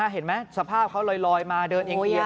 เห็นไหมสภาพเขาลอยมาเดินเอ็งเกียรติ